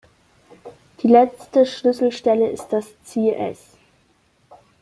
Die letzte Schlüsselstelle ist das "Ziel-S".